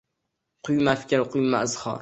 Quyma fikr, quyma izhor